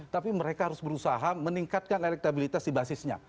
tapi mereka harus berusaha meningkatkan elektabilitas di basisnya